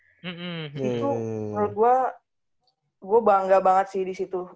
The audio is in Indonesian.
itu menurut gue gue bangga banget sih di situ